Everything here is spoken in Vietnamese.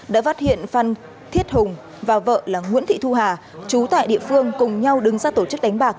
đã phát hiện phan thiết hùng và vợ là nguyễn thị thu hà chú tại địa phương cùng nhau đứng ra tổ chức đánh bạc